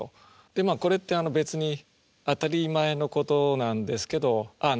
でこれって別に当たり前のことなんですけどあ